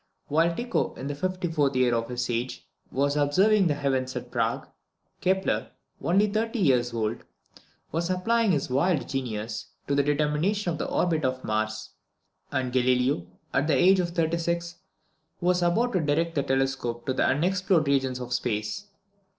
While Tycho, in the 54th year of his age, was observing the heavens at Prague, Kepler, only 30 years old, was applying his wild genius to the determination of the orbit of Mars, and Galileo, at the age of 36, was about to direct the telescope to the unexplored regions of space.